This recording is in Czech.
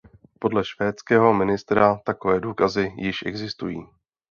Podle švédského ministra takové důkazy již existují.